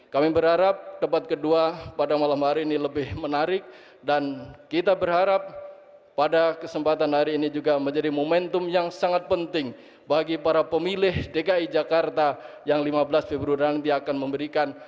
kami berharap debat kedua pada malam hari ini lebih menarik dan kita berharap pada kesempatan hari ini juga menjadi momentum yang sangat penting bagi para pemilih dki jakarta yang lima belas februari nanti akan memberikan